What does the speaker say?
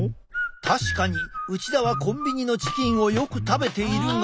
確かに内田はコンビニのチキンをよく食べているが。